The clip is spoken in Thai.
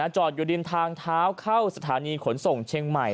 จอดอยู่ริมทางเท้าเข้าสถานีขนส่งเชียงใหม่